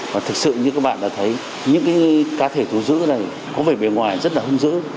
và thực sự như các bạn đã thấy những cá thể thu giữ này có vẻ bề ngoài rất là hung dữ